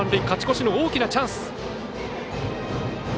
勝ち越しの大きなチャンス。